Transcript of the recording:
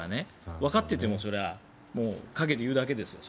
わかっていてもそれは陰で言うだけですよ。